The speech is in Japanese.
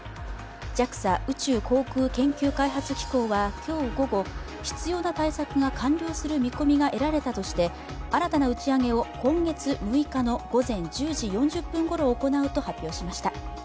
ＪＡＸＡ＝宇宙航空研究開発機構は、必要な対策が完了する見込みが得られたとして新たな打ち上げを今月６日の午前１０時４０分ごろ行うと発表しました。